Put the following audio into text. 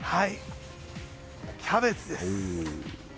キャベツです。